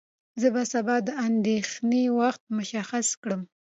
زه به سبا د اندېښنې وخت مشخص کړم.